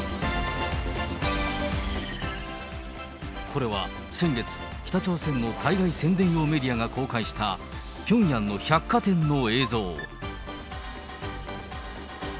これは先月、北朝鮮の対外宣伝用メディアが公開したピョンヤンの百貨店の映像。